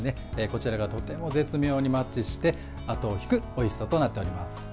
こちらがとても絶妙にマッチしてあとを引くおいしさとなっております。